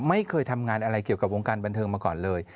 ไม่เคยทำงานอะไรเกี่ยวกับวงการบันเทิงมาก่อนเลย